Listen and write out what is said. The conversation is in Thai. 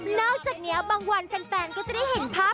นอกจากนี้บางวันแฟนก็จะได้เห็นภาพ